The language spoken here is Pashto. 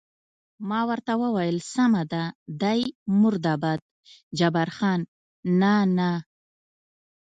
ما ورته وویل: سمه ده، دی مرده باد، جبار خان: نه، نه.